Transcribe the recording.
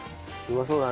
うまそう。